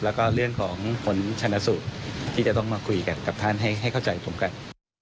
แล้วก็เรื่องของผลชนะสูตรที่จะต้องมาคุยกันกับท่านให้เข้าใจตรงกัน